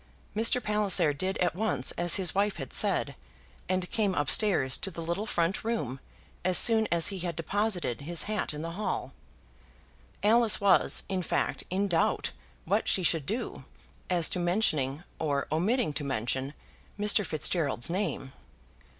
Mr. Palliser did at once as his wife had said, and came up stairs to the little front room, as soon as he had deposited his hat in the hall. Alice was, in fact, in doubt what she should do, as to mentioning, or omitting to mention, Mr. Fitzgerald's name.